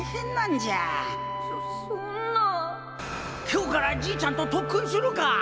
今日からじいちゃんと特訓するか！